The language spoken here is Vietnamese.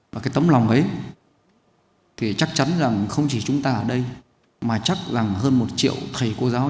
và cái tấm lòng ấy thì chắc chắn rằng không chỉ chúng ta ở đây mà chắc rằng hơn một triệu thầy cô giáo